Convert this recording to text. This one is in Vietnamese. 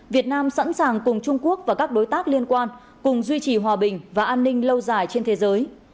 việt nam sẵn sàng cùng trung quốc và các đối tác liên quan cùng duy trì hòa bình và an ninh lâu dài trên thế giới